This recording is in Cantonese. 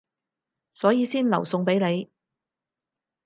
所以先留餸畀你